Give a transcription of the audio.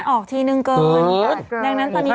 ออกทีนึงเกิน